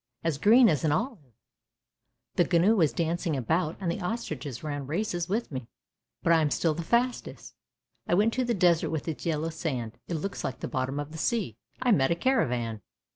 as green as an olive. The gnu was dancing about, and the ostriches ran races with me, but I am still the fastest. I went to the desert with its yellow sand. It looks like the bottom of the sea. I met a caravan